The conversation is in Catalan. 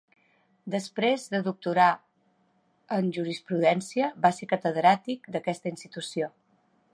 Després de doctorar en jurisprudència, va ser catedràtic d'aquesta institució.